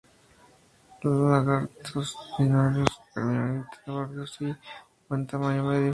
Son lagartos diurnos, predominantemente arbóreos y de tamaño medio.